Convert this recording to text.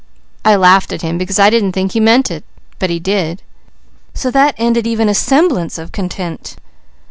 I laughed at him, because I didn't think he meant it; but he did, so that ended even a semblance of content.